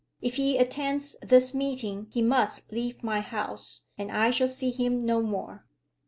If he attends this meeting he must leave my house, and I shall see him no more."